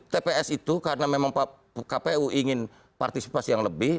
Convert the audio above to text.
tps itu karena memang kpu ingin partisipasi yang lebih